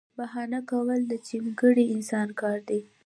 بهانه کول د چمګیره انسان کار دی